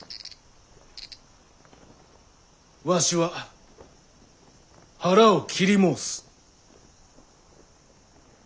わしは腹を切り申す。